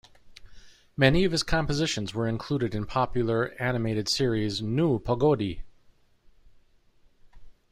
Many of his compositions were included in popular animated series Nu, pogodi!